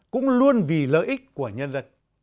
cũng luôn vì lợi ích của nhân dân